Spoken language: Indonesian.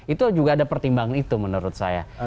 itu juga ada pertimbangan itu menurut saya